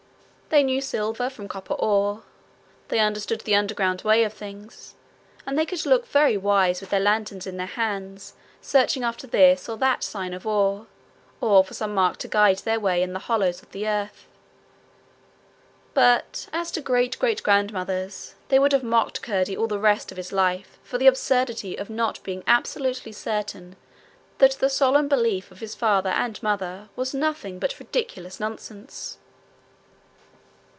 They knew silver from copper ore; they understood the underground ways of things, and they could look very wise with their lanterns in their hands searching after this or that sign of ore, or for some mark to guide their way in the hollows of the earth; but as to great great grandmothers, they would have mocked Curdie all the rest of his life for the absurdity of not being absolutely certain that the solemn belief of his father and mother was nothing but ridiculous nonsense.